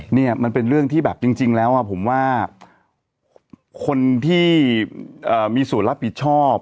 เนี่ยมันเป็นเรื่องที่แบบจริงแล้วผมว่าคนที่มีส่วนรับผิดชอบ